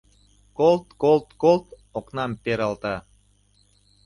Колт-колт-колт окнам пералта.